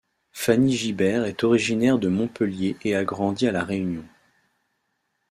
Fanny Gibert est originaire de Montpellier et a grandi à La Réunion.